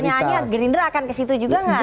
enggak pertanyaannya gelinda akan kesitu juga nggak